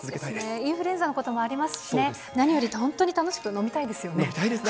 インフルエンザのこともありますからね、何より本当に楽しく飲みたいですよね。